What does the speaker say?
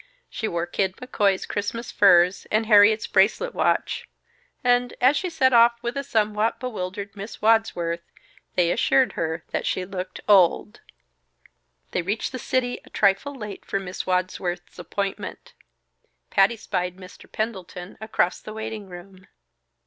She wore Kid McCoy's Christmas furs and Harriet's bracelet watch; and, as she set off with a somewhat bewildered Miss Wadsworth, they assured her that she looked old. They reached the city a trifle late for Miss Wadsworth's appointment. Patty spied Mr. Pendleton across the waiting room.